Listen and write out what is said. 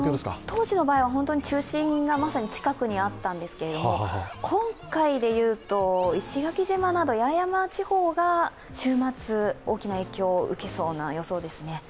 当時の場合は中心がまさに近くにあったんですけれども、今回でいうと、石垣島、八重山地方が週末、大きな影響を受けそうな予想ですね。